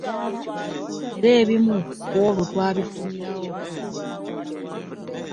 Era ebimu ku olwo twabifunirawo, anti wulira.